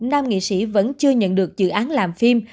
nam nghệ sĩ vẫn chưa nhận được dự án làm phim